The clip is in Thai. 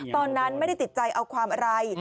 ตอนนั้นไม่ได้ติดใจเอาความอะไร